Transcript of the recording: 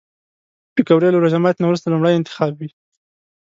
پکورې له روژه ماتي نه وروسته لومړی انتخاب وي